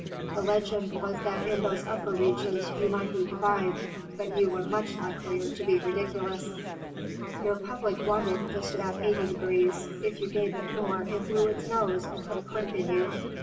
The legend was that in those upper reaches you might be divine; but you were much likelier to be ridiculous. Your public wanted just about eighty degrees; if you gave it more it blew its nose and put a crimp in you.